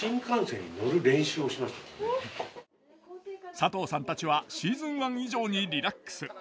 佐藤さんたちはシーズン１以上にリラックス。